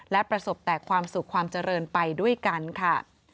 และประสบแต่ความสุขความเจริญไปด้วยกันค่ะ